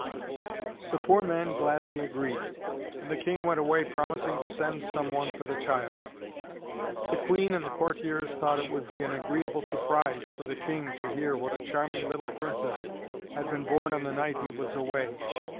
The poor man gladly agreed, and the King went away promising to send some one for the child. The Queen and the courtiers thought it would be an agreeable surprise for the King to hear that a charming little Princess had been born on the night he was away.